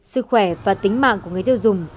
sức khỏe và tính mạng của người tiêu dùng